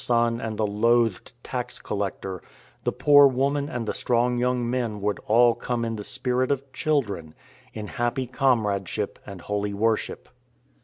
son and the loathed tax collector, the poor woman and the strong young men would all come in the spirit of children, in happy comradeship and holy worship.